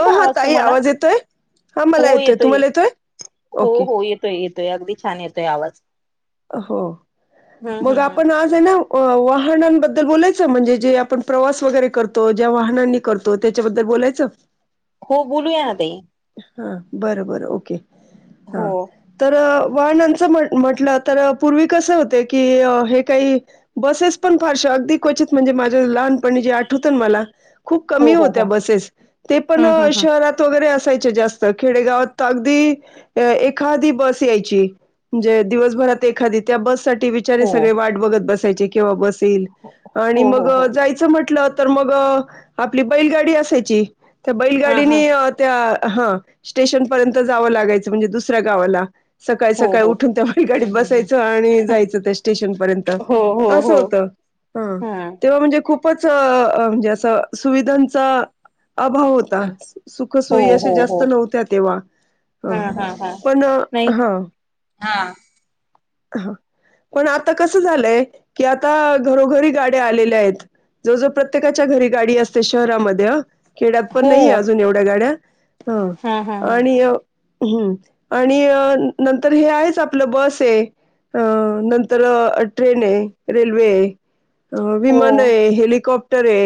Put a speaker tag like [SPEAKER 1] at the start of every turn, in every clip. [SPEAKER 1] ह
[SPEAKER 2] का
[SPEAKER 1] हा
[SPEAKER 2] आवाज
[SPEAKER 1] ताई
[SPEAKER 2] तुम्हाला?
[SPEAKER 1] येतोय हा मला
[SPEAKER 2] हो येतोय
[SPEAKER 1] तुम्हाला
[SPEAKER 2] हो
[SPEAKER 1] ओके
[SPEAKER 2] हो ये तोय येतोय अगदी छान येतोय आवाज.
[SPEAKER 1] हो
[SPEAKER 2] हम्म
[SPEAKER 1] मग
[SPEAKER 2] हम्म हम्म.
[SPEAKER 1] आपण आज हे ना अ वाहनांबद्दल बोलायचं म्हणजे जे आपण प्रवास वगैरे करतो, ज्या वाहनांनी करतो त्याच्याबद्दल बोलायचं?
[SPEAKER 2] हो बोलूया ना ताई.
[SPEAKER 1] हां बरं बरं ओके
[SPEAKER 2] हो
[SPEAKER 1] हां तर वाहनांचा म्ह म्हटलं तर पूर्वी कसं होते की हे काही बसेस पण फारशा अगदी क्वचित म्हणजे माझ्या लहानपणी जे आठवत ना मला. खूप
[SPEAKER 2] हो
[SPEAKER 1] कमी
[SPEAKER 2] हो हो
[SPEAKER 1] होत्या बसेस ते पण
[SPEAKER 2] हम्म हम्म हम्म.
[SPEAKER 1] शहरात वगैरे असाय च्या जास्त खेडेगावात अगदी ए एखादी बस यायची. म्हणजे दिवसभरात एखादी त्या बससाठी बिचारे
[SPEAKER 2] हो
[SPEAKER 1] सगळे वाट बघत बसायचे केव्हा बस येईल आणि
[SPEAKER 2] हो
[SPEAKER 1] मग
[SPEAKER 2] हो हो.
[SPEAKER 1] जाय च म्हटलं तर मग आपली बैलगाडी असायची त्या
[SPEAKER 2] हा हा.
[SPEAKER 1] बैलगाडीनी त्या हा स्टेशन पर्यंत जावं लागायचं म्हणजे दुसऱ्या गावाला. सकाळी
[SPEAKER 2] हो
[SPEAKER 1] सकाळी
[SPEAKER 2] हो.
[SPEAKER 1] उठून त्या बैल
[SPEAKER 2] हम्म
[SPEAKER 1] गाडीत
[SPEAKER 2] हम्म हम्म
[SPEAKER 1] बसायचं आणि जायचं त्या स्टेशन पर्यंत.
[SPEAKER 2] हो हो
[SPEAKER 1] असं
[SPEAKER 2] हो
[SPEAKER 1] होत हा
[SPEAKER 2] हम्म.
[SPEAKER 1] तेव्हा म्हणजे खूप खूपच म्हणजे असं सुविधांचा अभाव होता
[SPEAKER 2] हो
[SPEAKER 1] सुखसोय
[SPEAKER 2] हो
[SPEAKER 1] जास्त
[SPEAKER 2] हो.
[SPEAKER 1] नव्हत्या तेव्हा
[SPEAKER 2] हा
[SPEAKER 1] हं
[SPEAKER 2] हा हा.
[SPEAKER 1] पण
[SPEAKER 2] नाही
[SPEAKER 1] हं.
[SPEAKER 2] हा.
[SPEAKER 1] हा पण आता कसं झालंय की आता घरोघरी गाड्या आलेल्या आहेत. जो जो प्रत्येकाच्या घरी गाडी असते शहरामध्ये अ. खेड्यात
[SPEAKER 2] हो.
[SPEAKER 1] पण नाहीे अजून एवढ्या गाड्या हा
[SPEAKER 2] हा हा.
[SPEAKER 1] आणि हम्म आणि नंतर हे आहेच आपलं बस हे. अ नंतर ट्रेन हाय रेल्वे हाय. अं.
[SPEAKER 2] हो
[SPEAKER 1] विमान ए. हेलिकॉप्टर ए.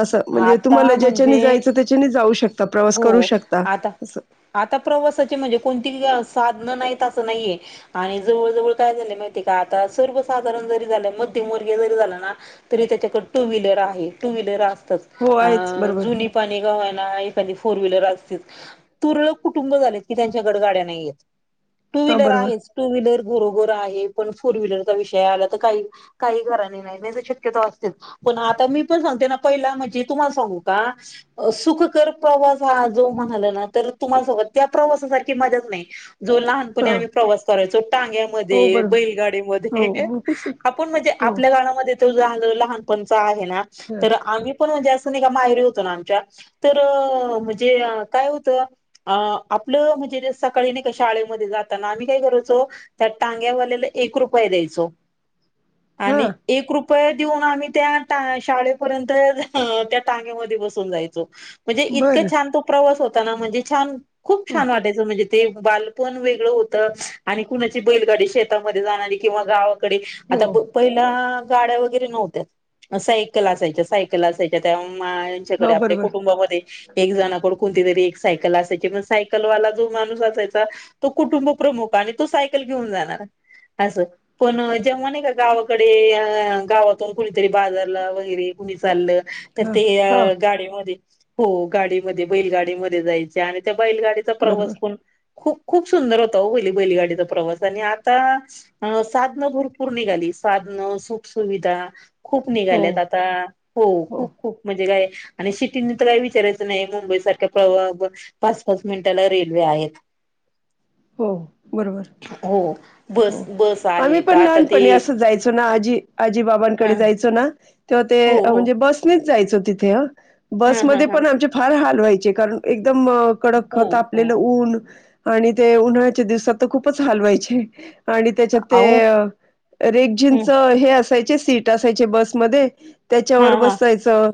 [SPEAKER 1] असं. म्हणजे तुम्हाला
[SPEAKER 2] आता
[SPEAKER 1] ज्याच्यानी
[SPEAKER 2] म्हणजे
[SPEAKER 1] जायचं त्याच्यानी जाऊ शकता. प्रवास करू
[SPEAKER 2] हो
[SPEAKER 1] शकता
[SPEAKER 2] आता
[SPEAKER 1] असं.
[SPEAKER 2] आता प्रवासाची म्हणजे कोणती साधनं नाहीत असं नाहीये. आणि जवळ जवळ काय झालं माहितीय का आता? सर्वसाधारण जरी झालं मध्यमवर्गीय जरी झालं ना? तरी त्याच्याकडे टू व्हीलर आहे. टू व्हीलर असतच.
[SPEAKER 1] हो आहेच
[SPEAKER 2] आं
[SPEAKER 1] बरोबर
[SPEAKER 2] जुनी पानी का होयना - फोर व्हीलर असते. तुरळक कुटुंब झालेत की त्यांच्याकड गाड्या नाहीयेत. टू
[SPEAKER 1] हा
[SPEAKER 2] व्हीलर
[SPEAKER 1] बरोबर
[SPEAKER 2] आहेच. टू व्हीलर घरोघर आहे. पण फोर व्हीलरचा विषय आला तर काही काही घराने- शक्यतो असतेच. पण आता मी पण सांगते ना पहिला म्हणजे तुम्हाला सांगू का? सुख कर- प्रवास हा जो म्हणाला ना? तर तुम्हाला सांगत त्या प्रवासारखी मजाच नाही. जो लहानपणी
[SPEAKER 1] हा
[SPEAKER 2] आम्ही- प्रवास करायचो.
[SPEAKER 1] हो
[SPEAKER 2] टांग्यामध्ये,
[SPEAKER 1] बरोबर हो
[SPEAKER 2] बैलगाडीमध्ये
[SPEAKER 1] हो
[SPEAKER 2] आपण म्हणजे
[SPEAKER 1] हो.
[SPEAKER 2] आपल्या काळामध्ये- ते लहान, लहानपणच आहे ना?
[SPEAKER 1] ह
[SPEAKER 2] तर आम्ही- पण म्हणजे असं नाही का माहेरीे होतो ना आमच्या? तर म्हणजे काय होतं? आं. आपलं म्हणजे सकाळी नाही का शाळेमध्ये जाताना आम्ही काय करायचो? त्या टांग्यावाल्याला एक रुपये द्यायचो.
[SPEAKER 1] [inaudible] [unintelligible]
[SPEAKER 2] आणि- एक रुपये देऊन आम्ही त्या शाळेपर्यंत त्या टांग्यामध्ये बसून जायचो. म्हणजे इतकं
[SPEAKER 1] बर
[SPEAKER 2] छान तो प्रवास होता ना? म्हणजे छान खूप छान वाटायचं म्हणजे- ते बाल पण वेगळं होतं. आणि कुणाची बैलगाडी शेतामध्ये जाणारी किंवा गावात- - कडे.
[SPEAKER 1] हो
[SPEAKER 2] आता- पहिल्या गाड्या वगैरे नव्हत्या. म सायकल असायच्या. सायकल असायच्या त्या मग - च्याकडे
[SPEAKER 1] हा
[SPEAKER 2] आपल्या
[SPEAKER 1] बरोबर
[SPEAKER 2] कुटुंबामध्ये. एक जणाकड कोणतीतरी एक सायकल असायची. मग सायकल वाला जो माणूस असायचा- तो कुटुंब प्रमुख आणि तो सायकल घेऊन जाणार असं. पण जेव्हा नाही का? गावाकडे गावातून कुणीतरी बाजारला वगैरे कुणी चाललं- तर
[SPEAKER 1] हा
[SPEAKER 2] ते
[SPEAKER 1] हा
[SPEAKER 2] गाडीमध्ये, हो. गाडीमध्ये बैलगाडीमध्ये जायचे आणि त्या बैलगाडी- - चा प्रवास
[SPEAKER 1] बरोबर
[SPEAKER 2] पण खूप खूप सुंदर होता हो हे बैलगाडीचा प्रवास आणि आता- अ. साधनं भरपूर निघाली. साधनं सुख सुुविधा. खूप
[SPEAKER 1] हो
[SPEAKER 2] निघाल्यात आता. हो खूप खूप म्हणजे काय? आणि सिटी- काही विचारायचं नाही. बॉम्बे सारख्या [unintelligible] पाच पाच मिनिटाला रेल्वे आहेत.
[SPEAKER 1] हो. बरोबर.
[SPEAKER 2] हो बस
[SPEAKER 1] हो.
[SPEAKER 2] बस
[SPEAKER 1] आम्ही
[SPEAKER 2] आहेत
[SPEAKER 1] पण
[SPEAKER 2] आता ते
[SPEAKER 1] लहानपणी असंच जायचो ना? आजी आजी बाबांकडे
[SPEAKER 2] ह
[SPEAKER 1] जायच- -चो ना? तेव्हा ते
[SPEAKER 2] हो हो
[SPEAKER 1] म्हणजे बसनेच जायचो तिथे हं.
[SPEAKER 2] हा हा
[SPEAKER 1] बसमध्ये
[SPEAKER 2] हा
[SPEAKER 1] पण आमचे - फार हाल हाल व्हायचे. कारण एकदम कडक
[SPEAKER 2] हो हो
[SPEAKER 1] तापलेलं ऊन आणि- ते उन्हाळ्याच्या दिवसात तर खूपच हाल व्हायचे. आणि त्याच्यात
[SPEAKER 2] अहो
[SPEAKER 1] ते रेक्झिनच
[SPEAKER 2] हम्
[SPEAKER 1] हे असा- ते सीट असायचे बसमध्ये.
[SPEAKER 2] हा
[SPEAKER 1] त्याच्यावर
[SPEAKER 2] हा
[SPEAKER 1] बसायचं.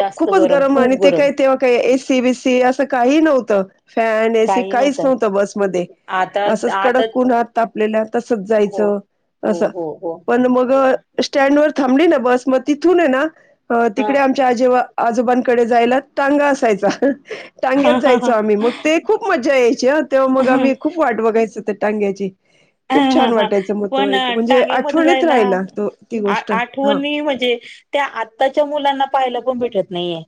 [SPEAKER 2] जास्त
[SPEAKER 1] खूपच गरम आणि
[SPEAKER 2] खूप
[SPEAKER 1] ते
[SPEAKER 2] गरम
[SPEAKER 1] काय तेव्हा- एसी बीसी असं काही नव्हतं. फॅन, एसी काहीच नव्हतं बस- [unintelligible]
[SPEAKER 2] आता
[SPEAKER 1] असच
[SPEAKER 2] आता
[SPEAKER 1] कडक उन्हात तापलेल्या तसंच
[SPEAKER 2] हो हो
[SPEAKER 1] जायचंअस-
[SPEAKER 2] हो हो
[SPEAKER 1] मग स्टॅण्डवर थांबली ना बस? मग तिथून ए ना,
[SPEAKER 2] हा
[SPEAKER 1] तिकडे आमच्या - आजी आजोबांकडे जायला टांगा असायचा.
[SPEAKER 2] हा
[SPEAKER 1] टांग्यात
[SPEAKER 2] हा
[SPEAKER 1] जायचो
[SPEAKER 2] हा
[SPEAKER 1] आम्ही मग. ते खूप मजा यायची हं. तेव्हा मग आम्ही
[SPEAKER 2] ह
[SPEAKER 1] खूप वाट बघायचो त्या टांग्याची. खूप
[SPEAKER 2] ह
[SPEAKER 1] छान
[SPEAKER 2] ह
[SPEAKER 1] वाटायचं मग तो
[SPEAKER 2] पण
[SPEAKER 1] एक
[SPEAKER 2] अ,
[SPEAKER 1] म्हणजे
[SPEAKER 2] टांगेमध्ये
[SPEAKER 1] आठवणीत
[SPEAKER 2] जायला
[SPEAKER 1] राहीला तो ती
[SPEAKER 2] आ-
[SPEAKER 1] गोष्ट हा
[SPEAKER 2] आठवणी म्हणजे त्या आत्ताच्या मुलांना पाहायला पण भेटत नाहीये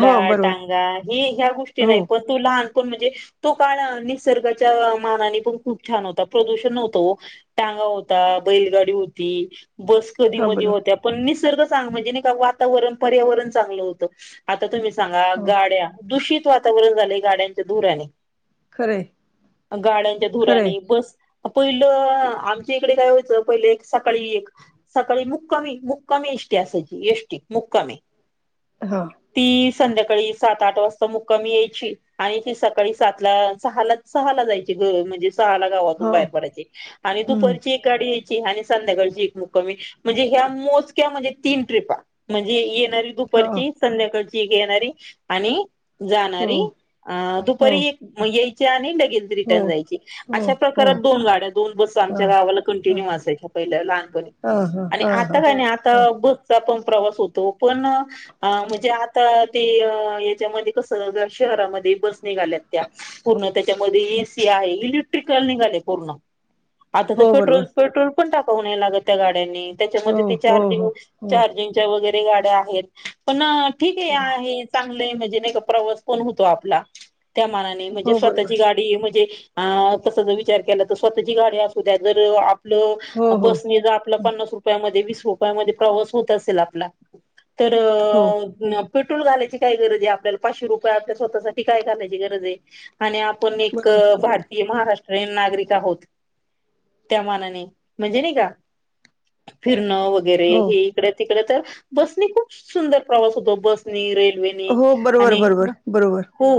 [SPEAKER 1] हो बरोबर
[SPEAKER 2] टांगा हे ह्या गोष्टी
[SPEAKER 1] हो
[SPEAKER 2] नाही पण तो लहानपण म्हणजे तो काळ निसर्गाच्या मानाने पण खूप छान होता प्रदूषण नव्हतं ओ टांगा होता बैलगाडी होती बस कधी
[SPEAKER 1] हा
[SPEAKER 2] मधी
[SPEAKER 1] बरो
[SPEAKER 2] होत्या पण निसर्ग चांग म्हणजे का वातावरण पर्यावरण चांगलं होतं आता तुम्ही सांगा
[SPEAKER 1] हो
[SPEAKER 2] गाड्या दूषित वातावरण झाले गाड्यांच्या धुराने
[SPEAKER 1] खरंय
[SPEAKER 2] गाड्यांच्या
[SPEAKER 1] खरंय
[SPEAKER 2] धुराने बस पहिलं आमच्या इकडे काय वायचं पहिले एक सकाळी एक सकाळी मुक्कामी, मुक्कामी एष्टी असायची एष्टी मुक्कामी
[SPEAKER 1] हा
[SPEAKER 2] ती संध्याकाळी सात, आठ वाजता मुक्कामी यायची आणि ती सकाळी सातला, सहाला, सहाला जायची घ म्हणजे सहाला गावा
[SPEAKER 1] हो
[SPEAKER 2] बाहेर पडायचे आणि
[SPEAKER 1] हम्म
[SPEAKER 2] दुपारची एक गाडीयची आणि संध्याकाळची एक मुक्कामी म्हणजे ह्या मोजक्या म्हणजे तीन ट्रिपा म्हणजे येणारी
[SPEAKER 1] हा
[SPEAKER 2] दुपारची संध्याकाळची एक येणारी आणि
[SPEAKER 1] हो
[SPEAKER 2] जाणारी अ
[SPEAKER 1] हो
[SPEAKER 2] दुपारी एक म यायची आणि लगेल
[SPEAKER 1] हो
[SPEAKER 2] रिटर्न जायची
[SPEAKER 1] हो
[SPEAKER 2] अश्या
[SPEAKER 1] हो
[SPEAKER 2] करत दोन गाड्या दोन बस
[SPEAKER 1] हा
[SPEAKER 2] आमच्या गावाला
[SPEAKER 1] हा
[SPEAKER 2] कंटिन्यू असायच्या पहिल्या लहानपणी
[SPEAKER 1] हा हा
[SPEAKER 2] आणि
[SPEAKER 1] हा
[SPEAKER 2] आता
[SPEAKER 1] हा
[SPEAKER 2] काय नाही आता
[SPEAKER 1] हा
[SPEAKER 2] बसचा पण प्रवास होतो पण अ म्हणजे आता ते याच्यामध्ये कस शहरामध्ये बस निघाल्यात त्या पूर्ण त्याच्यामध्ये एसी आहे इलेकट्रिक निघाले पूर्ण आता तर
[SPEAKER 1] हो
[SPEAKER 2] पेट्रोल,
[SPEAKER 1] बरोबर
[SPEAKER 2] पेट्रोल पण टाकाव लागत त्या गाड्यांनी
[SPEAKER 1] हो
[SPEAKER 2] त्याच्यामध्ये ते
[SPEAKER 1] हो हो
[SPEAKER 2] चार्जिंग
[SPEAKER 1] हो
[SPEAKER 2] चार्जिंगच्या वगैरे गाड्या आहेत पण ठीक आहे,
[SPEAKER 1] हो
[SPEAKER 2] आहे चांगले म्हणजे नाही का प्रवास पण होतो आपला त्या मानाने म्हणजे
[SPEAKER 1] हो बरोबर
[SPEAKER 2] स्वतःची गा की म्हणजे आ तसं जर विचार केला तर स्वतःची गाडी असु द्या जर आप
[SPEAKER 1] हो
[SPEAKER 2] आपलं
[SPEAKER 1] हो
[SPEAKER 2] बसने ज आपला
[SPEAKER 1] हं,
[SPEAKER 2] पन्नास रुपयामध्ये वीस रुपयामध्ये प्रवास होत असेल आपला तर
[SPEAKER 1] हो
[SPEAKER 2] पेट्रोल घालायची काय गरज आहे आपल्याला पाचशे रुपये आपल्या स्वतःसाठी काय घायची गरज आहे आणि आपण एक
[SPEAKER 1] बरोबर
[SPEAKER 2] भारतीय महाराष रेन नागरिक आहोत त्या मानाने म्हणजे नाही का फिरन व वगैरे
[SPEAKER 1] हो
[SPEAKER 2] हे इकड, तिकडे तर बसनी खूप सुंदर प्रवास होतो बसनी रेल्वे नी
[SPEAKER 1] हो बरोबर
[SPEAKER 2] आणि
[SPEAKER 1] बरोबर बरोबर
[SPEAKER 2] हो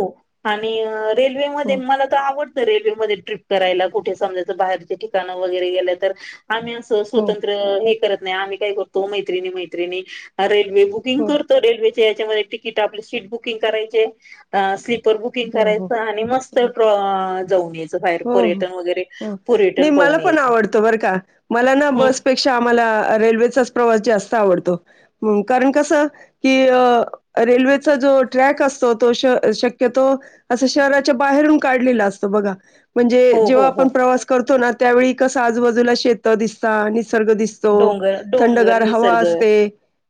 [SPEAKER 2] आणि रेल्वेमध्ये
[SPEAKER 1] हो
[SPEAKER 2] मला तर आवडतं रेल्वेमध्ये ट्रीप करायला कुठे समजायचं बाहेर ठिकाण वगैरे गेलं तर आम्ही अस
[SPEAKER 1] हो
[SPEAKER 2] स्वतंत्र अ हे करत नाही आम्ही काय करतो मैत्रिणी, मैत्रिणी रेल्वे बुकींग
[SPEAKER 1] हो
[SPEAKER 2] कर रेल्वेच्या याच्यामध्ये तिकीट आपले सीट बुकिंग करायचे अ सीट तर बुकिंग
[SPEAKER 1] हो हो
[SPEAKER 2] करायचं आणि मस्त
[SPEAKER 1] हो
[SPEAKER 2] प्र जाऊन यायच
[SPEAKER 1] हो, हो, हो नाही मला
[SPEAKER 2] पाहून
[SPEAKER 1] पण
[SPEAKER 2] यायचं
[SPEAKER 1] आवडतं बरं का मला ना
[SPEAKER 2] हं
[SPEAKER 1] बसपे क्षा आम्हाला रेल्वेचाच प्रवास जास्त आवडतो कारण कसं कि अ रेल्वेचा जो ट्रॅक असतो तो शक्यतो असं शहराच्या बाहेरून काढलेला असतं बघा म्हणजे
[SPEAKER 2] हो हो
[SPEAKER 1] जेव्हा
[SPEAKER 2] हो
[SPEAKER 1] आपण प्रवास करतो ना त्यावेळी कस आजूबाजूला शेत दिसता निसर्ग दिस तो
[SPEAKER 2] डोंगर डोंगर
[SPEAKER 1] थंडगार हवा
[SPEAKER 2] निसर्ग
[SPEAKER 1] असते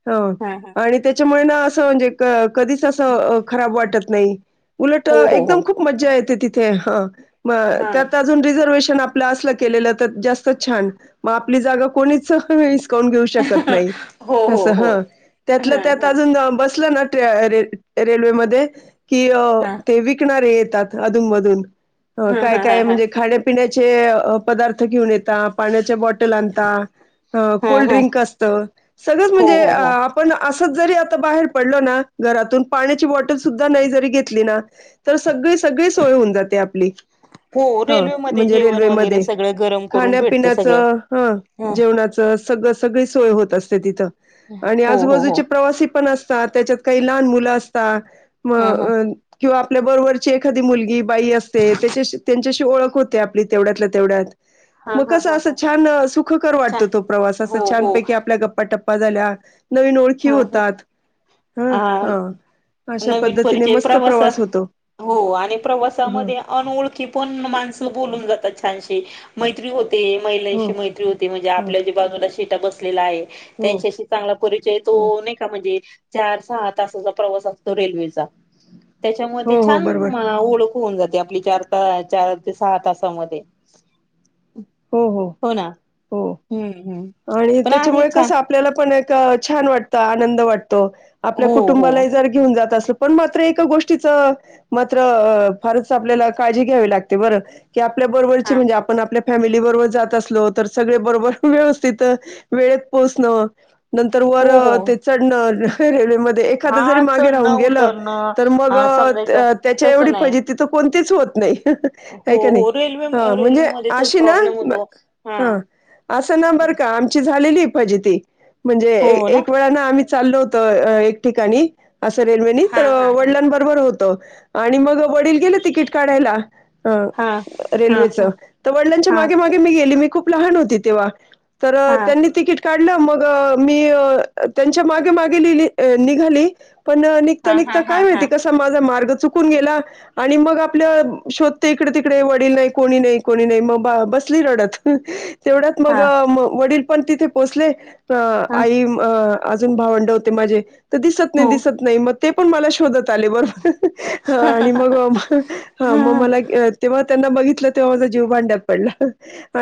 [SPEAKER 1] आणि
[SPEAKER 2] हा हा
[SPEAKER 1] ह ते त्याच्यामुळे ना असं म्हणजे क कधीच असं खराब वाटत नाही उलट
[SPEAKER 2] हो हो हो
[SPEAKER 1] एकदम खूप. मज्जा येते तिथे हा म
[SPEAKER 2] हा
[SPEAKER 1] त्यातच. अजून रिझर्वेशन आपलं असलं केलेलं तर जास्त छान मग आपली जागा कोणीच नाही हिस''--'' कावून घेऊत शकत नाही.
[SPEAKER 2] हो हो हो
[SPEAKER 1] त्यातलं
[SPEAKER 2] हा
[SPEAKER 1] त्यात
[SPEAKER 2] हा
[SPEAKER 1] अजून बसलं ना ट्रेन रे रेल्वेमध्ये कि अ
[SPEAKER 2] हा
[SPEAKER 1] ते वि ''--'' विकणारे येतात अधूनमधून. अ
[SPEAKER 2] हा हा
[SPEAKER 1] काय
[SPEAKER 2] हा
[SPEAKER 1] काय
[SPEAKER 2] हा
[SPEAKER 1] म्हणजे खाण्यापिण्याचे अ पदार्थ घेऊन येतात. पाण्या बटल आण
[SPEAKER 2] हा हा
[SPEAKER 1] कोल्ड्रं असत सगळ
[SPEAKER 2] हो
[SPEAKER 1] म्हणजे
[SPEAKER 2] हो हो
[SPEAKER 1] आप ''--'' पण असंच जरी आता बाहेर पडलो ना घरातून पाण्याची बॉटल सुद्धा नाही जरी घेतली ना. तर सगळी सगळी सोय होऊन जाते आपली.
[SPEAKER 2] हो
[SPEAKER 1] हा
[SPEAKER 2] रेल्वेमध्ये
[SPEAKER 1] म्हणजे
[SPEAKER 2] जेवण वगैरे
[SPEAKER 1] रेल्वेमध्ये
[SPEAKER 2] सगळं गरम करून भेटतं
[SPEAKER 1] खाण्यापिण्याच
[SPEAKER 2] सगळं
[SPEAKER 1] हा.
[SPEAKER 2] ह
[SPEAKER 1] जेवणाचं सगळं सगळी सोय होत असते तिथं. आणि
[SPEAKER 2] हो हो हो
[SPEAKER 1] आजूबाजूचे प्रवासी पण असतात त्याच्यात काही लहान मुलं असतात म
[SPEAKER 2] ह ह
[SPEAKER 1] अ न. किंवा आपल्या बरोबरची एखादी मुलगी बाई असते. त्यां त्यांच्याशी. ती ओळख होते आपली तेव्यातल्या तेवढ्यात.
[SPEAKER 2] हा
[SPEAKER 1] मग
[SPEAKER 2] हा
[SPEAKER 1] कसं
[SPEAKER 2] हा
[SPEAKER 1] असं
[SPEAKER 2] हा
[SPEAKER 1] छान सुखकर
[SPEAKER 2] छान
[SPEAKER 1] वाटतो तो प्रवास अस
[SPEAKER 2] हो हो
[SPEAKER 1] छानपैकी आपल्या गप्पाटप्पा. पा झाल्या नवीन ओळखी
[SPEAKER 2] ह ह
[SPEAKER 1] होतात हा हा. अशा
[SPEAKER 2] नवीन
[SPEAKER 1] पद्धतीने
[SPEAKER 2] परिचय
[SPEAKER 1] मस्त प्रवास
[SPEAKER 2] प्रवासत
[SPEAKER 1] होतो
[SPEAKER 2] हो आणि
[SPEAKER 1] ह
[SPEAKER 2] प्रवासामध्ये. अन ओळखी पण माणसं बोलून जातात छानशी मैत्री हो. ते
[SPEAKER 1] हो
[SPEAKER 2] महिलांशी मैत्री होते म्हणजे
[SPEAKER 1] हो
[SPEAKER 2] आपल्या जी बाजूला शिटा बसलेला आहे
[SPEAKER 1] हो
[SPEAKER 2] त्यांच्याशी चांगला परी ''--'' ते तो
[SPEAKER 1] हो
[SPEAKER 2] नाही का म्हणजे चार सहा तासाचा प्रवास असतो रेल्वेचा. त्याच्यामध्ये
[SPEAKER 1] हो हो
[SPEAKER 2] छान
[SPEAKER 1] बरोबर
[SPEAKER 2] अ ओळख होऊन जाते आपली चार चार ते सहा तासामध्ये. हो ना
[SPEAKER 1] हो
[SPEAKER 2] हम्म हम्म.
[SPEAKER 1] आणि त्याच्यामुळे कसं आपल्याला पण एक छान वाटतं आनंद वाटतो. आपल्या
[SPEAKER 2] हो हो
[SPEAKER 1] कुटुंबाला जर घेऊन जात असल पण मात्र एका गोष्टीचं. मात्र अ फारच आपल्याला काळजी घ्यावी लागते बरं. की आपल्या बरोबरची म्हणजे आपण आपल्या फॅमिली बरोबर जात असलो तर सगळे बरोबर व्यवस''--'' तिथ वेळेत पोहोचण नंतर वर
[SPEAKER 2] हो हो
[SPEAKER 1] ते चढण रेल्वेमध्ये. एखाद जरी
[SPEAKER 2] हा
[SPEAKER 1] मागे राहून
[SPEAKER 2] चढणं
[SPEAKER 1] गेलं तर मग
[SPEAKER 2] उतरणं समजायचं
[SPEAKER 1] त्याच्या
[SPEAKER 2] तसं
[SPEAKER 1] एवढी फ
[SPEAKER 2] नाही
[SPEAKER 1] जीती. तिथ कोणतीच होत नाही.
[SPEAKER 2] हो
[SPEAKER 1] हाई का नाही
[SPEAKER 2] हो रेल्वे
[SPEAKER 1] हा म्हणजे
[SPEAKER 2] रेल्वेमध्ये तोच
[SPEAKER 1] आशी ना
[SPEAKER 2] प्रॉब्लेम होतो
[SPEAKER 1] हा. असं ना बरं का आमची झालेली पाहिजे ती म्हणजे एक वेळा ना आम्ही. चाल होत अ ठिकाणी अस रेल्वेनी
[SPEAKER 2] हा
[SPEAKER 1] तर
[SPEAKER 2] हा हा
[SPEAKER 1] वडिलां ब ''--'' रोबर होत आणि मग वडील गेले तिकीट काढायला.
[SPEAKER 2] हा
[SPEAKER 1] ह रेल्वेच
[SPEAKER 2] हा
[SPEAKER 1] तर वडिलांच्या
[SPEAKER 2] हा
[SPEAKER 1] मागे मागे मी गेली मी खूप लहान होती तेव्हा. तर
[SPEAKER 2] हा
[SPEAKER 1] त्यांनी तिकीट. काढ मग मी त्यांच्या माग मागे लिली निघाली पण निघता
[SPEAKER 2] हा हा
[SPEAKER 1] निघता
[SPEAKER 2] हा
[SPEAKER 1] काय
[SPEAKER 2] हा हा
[SPEAKER 1] माहिती कसा माझा मार्ग चुकून गेला. आणि मग आपल्या शोधते इकडे तिकडे वडील नाही कोणी नाही कोणी नाही मग बा बसली रडत. तेवढ्यात मग
[SPEAKER 2] हा
[SPEAKER 1] वडील पण तिथे पोचले
[SPEAKER 2] हा
[SPEAKER 1] आई म. अजून भावंड होते माझे तर दिसत नाही
[SPEAKER 2] हो
[SPEAKER 1] दिसत नाही मग ते पण मला शोधत. ले बरोबर आणि मग. हा मग मला तेव्हा त्यांना बघितलं तेव्हा माझा जीव भांड्यात पडला.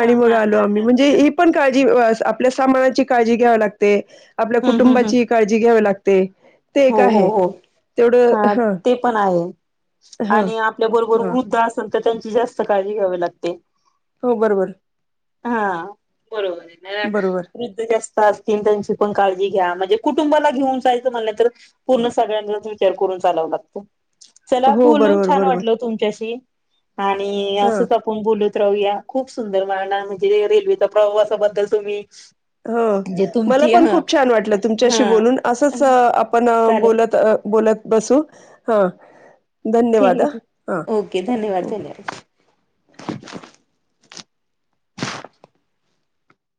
[SPEAKER 2] हा
[SPEAKER 1] मग
[SPEAKER 2] हा
[SPEAKER 1] आलो आम्ही
[SPEAKER 2] हा
[SPEAKER 1] म्हणजे ही पण काळजी व स आपल्या सामानाची काळजी घ्यावी लागते. आपल्या
[SPEAKER 2] हम्म हम्म हम्
[SPEAKER 1] कुटुंबाची काळजी घ्यावी लागते. ते एक
[SPEAKER 2] हो
[SPEAKER 1] आहे
[SPEAKER 2] हो हो.
[SPEAKER 1] तेवढं
[SPEAKER 2] हा
[SPEAKER 1] हां
[SPEAKER 2] ते पण आहे
[SPEAKER 1] हां
[SPEAKER 2] आणि आपल्या बरोबर
[SPEAKER 1] हां
[SPEAKER 2] वृद्ध असल. तर त्यांची जास्त काळजी घ्यावी लागते.
[SPEAKER 1] हो बरोबर
[SPEAKER 2] हा बरोबर आहे. नाहीतर
[SPEAKER 1] बरोबर.
[SPEAKER 2] वृद्ध जास्त असतील त्यांची पण काळजी घ्या. म्हणजे कुटुंबाला घेऊन जायचं म्हणलं तर पूर्ण सगळ्यांचाच विचार करून चालाव लागत. चला
[SPEAKER 1] हो
[SPEAKER 2] बोलून
[SPEAKER 1] बरोबर
[SPEAKER 2] छान
[SPEAKER 1] बरोबर
[SPEAKER 2] वाटल तुमच्याशी आणि
[SPEAKER 1] हां.
[SPEAKER 2] असंच आप आपण बोलत राहूया. खूप सुंदर मला ना म्हणजे रेल्वेच्या प्रवासाबद्दल तुम्ही
[SPEAKER 1] हो.
[SPEAKER 2] म्हणजे
[SPEAKER 1] मला
[SPEAKER 2] तुमची
[SPEAKER 1] पण
[SPEAKER 2] हा
[SPEAKER 1] खूप छान वाटलं. तुमच्याशी
[SPEAKER 2] हा
[SPEAKER 1] बोलून असंच आपण
[SPEAKER 2] चालेल
[SPEAKER 1] बोलत अ बोलत बसू हा.
[SPEAKER 2] ठीक आहे. ओके
[SPEAKER 1] हो.
[SPEAKER 2] धन्यवाद धन्यवाद.